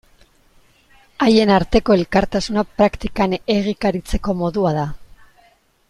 Haien arteko elkartasuna praktikan egikaritzeko modua da.